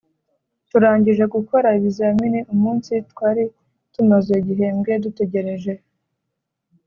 turangije gukora ibizamini, umunsi twari tumaze igihembwe dutegereje